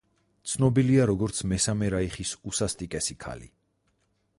ცნობილია როგორც მესამე რაიხის უსასტიკესი ქალი.